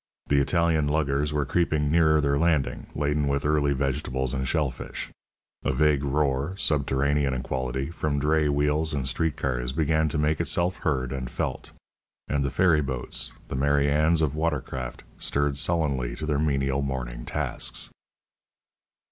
The Italian luggers were creeping nearer their landing, laden with early vegetables and shellfish. A vague roar, subterranean in quality, from dray wheels and street cars, began to make itself heard and felt; and the ferryboats, the Mary Anns of water craft, stirred sullenly to their menial morning tasks.